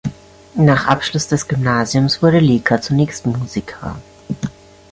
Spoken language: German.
Nach Abschluss des Gymnasiums wurde Leka zunächst Musiker.